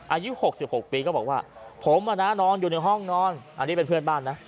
อายุ๖๖ปีก็บอกว่าผมนอนอยู่ในห้องนอนอันนี้เป็นเพื่อนบ้านนะ